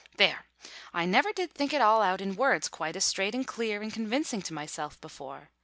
There! I never did think it all out in words quite as straight and clear and convincing to myself before.